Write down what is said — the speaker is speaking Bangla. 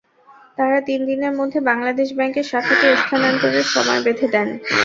তাঁরা তিন দিনের মধ্যে ব্যাংলাদেশ ব্যাংকের শাখাটি স্থানান্তরের সময় বেঁধে দেন।